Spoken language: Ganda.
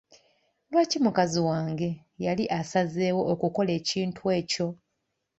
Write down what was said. Lwaki mukazi wange yali asazeewo okukola ekintu ekyo?